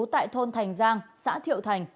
tại thôn thành giang xã thiệu thành